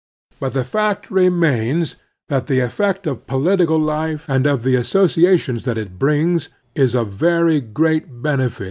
But the fact remains that the e ffect of po litical life, and of the ^ f associations that it brings, is of very great benefit